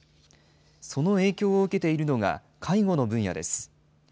その影響を受けているのが、介護の分野です。